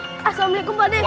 assalamualaikum pak dek